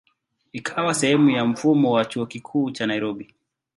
Ikawa sehemu ya mfumo wa Chuo Kikuu cha Nairobi.